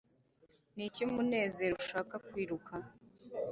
niki umunezero ushaka kwiruka